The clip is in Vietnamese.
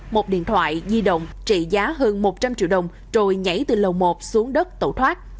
một điện thoại di động trị giá hơn một trăm linh triệu đồng rồi nhảy từ lầu một xuống đất tẩu thoát